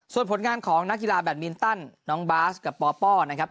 ส่วนผลงานของนักกีฬาแบตมินตันน้องบาสกับปปนะครับ